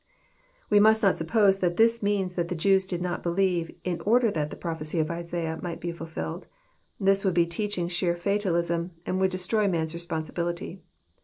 '] We must not sup pose this means that the Jews did not believe, in order that the prophecy of Isaiah might be fulfilled. This would be teaching sheer fatalism, and would destroy man's responsibility.